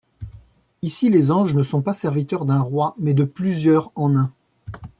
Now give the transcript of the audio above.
Ici les anges ne sont pas serviteurs d'un roi mais de plusieurs en un.